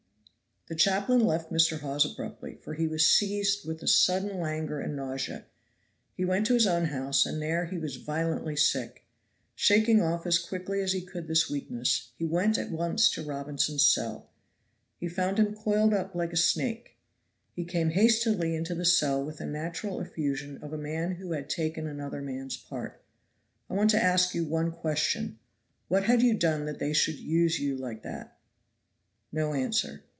The chaplain left Mr. Hawes abruptly, for he was seized with a sudden languor and nausea; he went to his own house and there he was violently sick. Shaking off as quickly as he could this weakness, he went at once to Robinson's cell. He found him coiled up like a snake. He came hastily into the cell with the natural effusion of a man who had taken another man's part. "I want to ask you one question: What had you done that they should use you like that?" No answer.